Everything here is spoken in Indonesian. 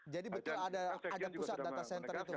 jadi betul ada pusat data center itu bang